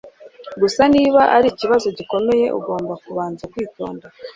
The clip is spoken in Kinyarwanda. Gusa niba arikibazo gikomeye ugomba kubanza kwitonda